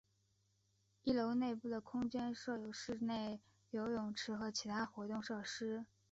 一楼内部的空间设有室内游泳池和其他活动设施。